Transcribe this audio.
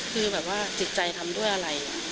คือแบบว่าจิตใจทำด้วยอะไร